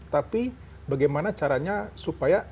tapi bagaimana caranya supaya laptopnya bisa berhasil